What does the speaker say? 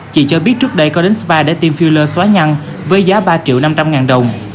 chị cho biết trước đây có đến spa để team filler xóa nhăn với giá ba triệu năm trăm linh ngàn đồng